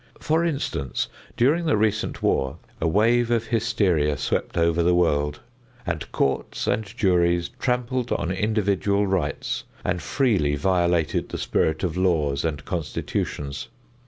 For instance, during the recent war a wave of hysteria swept over the world, and courts and juries trampled on individual rights and freely violated the spirit of laws and constitutions.